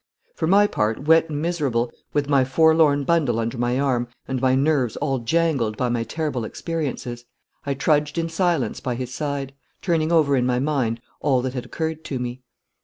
For my part, wet and miserable, with my forlorn bundle under my arm, and my nerves all jangled by my terrible experiences, I trudged in silence by his side, turning over in my mind all that had occurred to me.